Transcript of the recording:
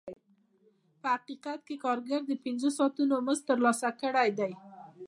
په حقیقت کې کارګر د پنځه ساعتونو مزد ترلاسه کړی دی